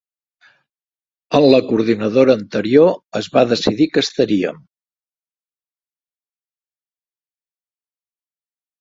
En la coordinadora anterior es va decidir que estaríem.